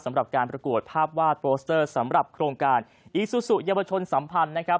สำหรับการประกวดภาพวาดโปสเตอร์สำหรับโครงการอีซูซูเยาวชนสัมพันธ์นะครับ